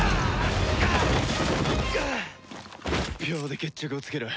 秒で決着をつける！